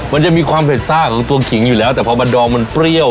มันจะมีความเผ็ดซ่าของตัวขิงอยู่แล้วแต่พอมันดองมันเปรี้ยว